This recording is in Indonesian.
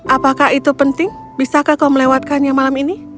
apakah itu penting bisakah kau melewatkannya malam ini